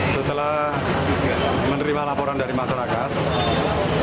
setelah menerima laporan dari masyarakat